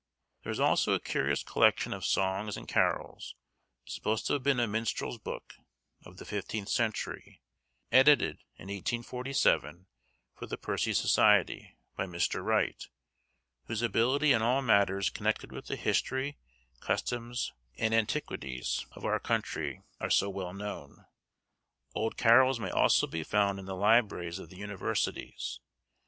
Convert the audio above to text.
There is also a curious collection of songs and carols, supposed to have been a minstrel's book of the fifteenth century, edited, in 1847, for the Percy Society, by Mr. Wright, whose ability in all matters connected with the history, customs, and antiquities of our country, are so well known; old carols may also be found in the libraries of the Universities.